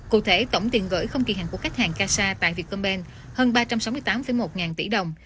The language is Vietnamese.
cụ thể tổng tiền gửi không kỳ hàng của khách hàng casa tại vietcombank hơn ba trăm sáu mươi tám một ngàn tỷ đồng